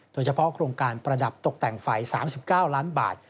โดยเฉพาะโครงการประดับตกแต่งไฟ๓๙ล้านบาท